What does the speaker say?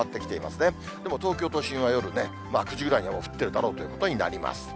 でも東京都心は夜ね、９時ぐらいにはもう降ってるだろうということになります。